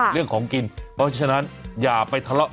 เรื่องของกินเพราะฉะนั้นอย่าไปทะเลาะ